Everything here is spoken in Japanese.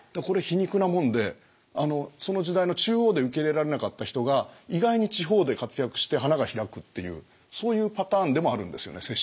これ皮肉なもんでその時代の中央で受け入れられなかった人が意外に地方で活躍して花が開くっていうそういうパターンでもあるんですよね